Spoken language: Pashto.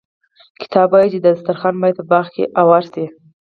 کتاب وايي چې دسترخوان باید په باغ کې اوار شي.